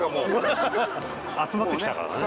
集まってきたからね。